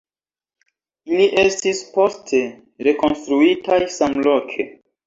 Ili estis poste rekonstruitaj samloke.